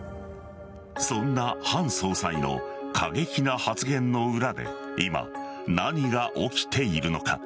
そんなハン総裁の過激な発言の裏で今、何が起きているのか。